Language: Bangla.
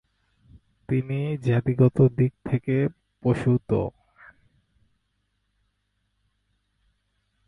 তিনি জাতিগত দিক থেকে পশতু।